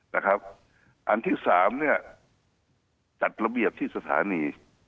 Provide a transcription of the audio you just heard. นะครับอันที่สามเนี่ยจัดระเบียบที่สถานี